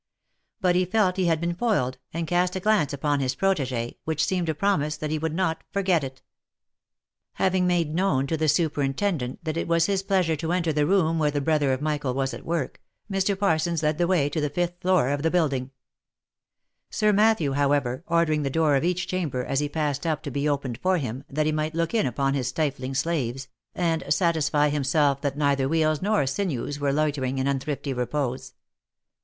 But he felt he had been foiled, and cast a glance upon his protege, which seemed to promise that he would not forget it. Having made known to the superintendent, that it was his plea sure to enter the room where the brother of Michael was at work, Mr. Parsons led the way to the fifth floor of the building ; Sir Matthew, however, ordering the door of each chamber, as he passed up, to be opened for him, that he might look in upon his stifling slaves, and satisfy himself that neither wheels nor sinews were loitering in unthrifty repose.